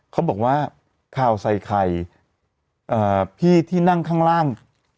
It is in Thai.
เขาบอกว่าข่าวใส่ไข่พี่ที่นั่งข้างล่าง